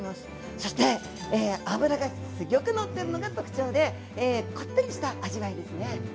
そして脂がすギョく乗ってるのが特徴でこってりした味わいですね。